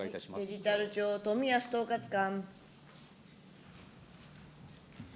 デジタル庁、冨安統括官。